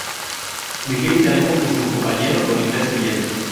Miguel Hidalgo y su compañero Don Ignacio Allende".